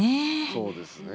そうですね。